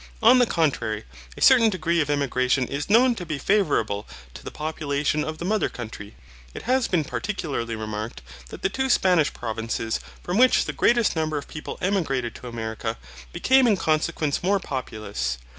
On the contrary, a certain degree of emigration is known to be favourable to the population of the mother country. It has been particularly remarked that the two Spanish provinces from which the greatest number of people emigrated to America, became in consequence more populous.